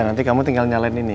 nanti kamu tinggal nyalain ini